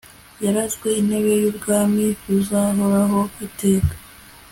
yarazwe intebe y'ubwami buzahoraho iteka